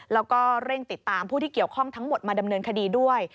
แล้วก็เร่งติดตามผู้ที่เกี่ยวข้องทั้งหมดมาดำเนินคดีด้วย